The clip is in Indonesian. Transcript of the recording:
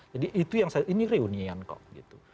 jadi itu yang saya ini reunian kok gitu